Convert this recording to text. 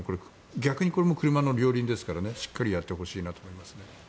これも車の両輪ですからしっかりやってほしいなと思います。